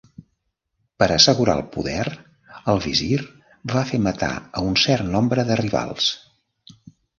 Per assegurar el poder, el visir va fer matar a un cert nombre de rivals.